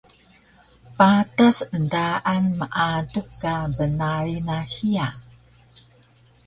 Patas endaan meaduk ka bnarig na hiya